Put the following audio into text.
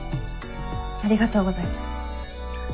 ありがとうございます。